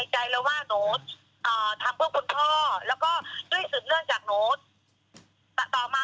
แต่ว่าก็บอก๐๓๕คุณผู้ใหญ่คุณปัญญา